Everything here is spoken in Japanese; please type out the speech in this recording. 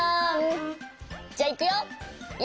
じゃあいくよ。